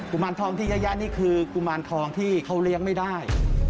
มารทองที่เยอะแยะนี่คือกุมารทองที่เขาเลี้ยงไม่ได้